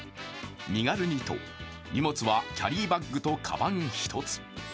身軽にと、荷物はキャリーバッグとかばん１つ。